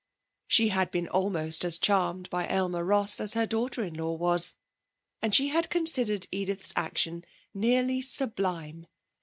She had been almost as charmed by Aylmer Ross as her daughter in law was, and she had considered Edith's action nearly sublime.